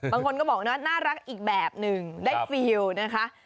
บางคนก็บอกนะน่ารักอีกแบบหนึ่งได้ฟิลล์นะคะ